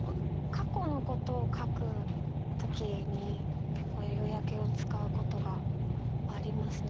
過去のことを書く時に結構夕焼けを使うことがありますね。